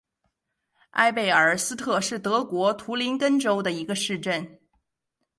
埃贝尔斯特是德国图林根州的一个市镇。